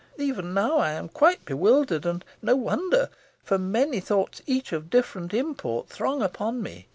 Even now I am quite bewildered; and no wonder, for many thoughts, each of different import, throng upon me.